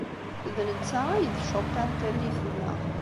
D netta ay d Chopin n tallit-nneɣ.